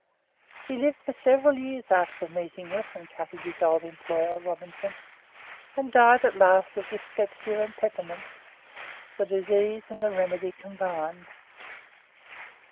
He lived for several years after meeting with and cutting his old employer, Robinson, and died at last of dyspepsia and peppermints, the disease and the remedy combined.